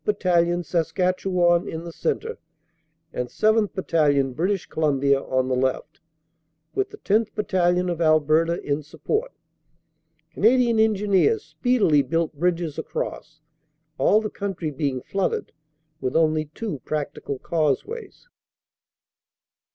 Battalion, Saskatchewan, in the cen tre, and 7th. Battalion, British Columbia, on the left, with the 10th. Battalion, of Alberta, in support. Canadian Engi neers speedily built bridges across, all the country being flooded, with only two practical causeways.